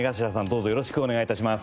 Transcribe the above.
どうぞよろしくお願い致します。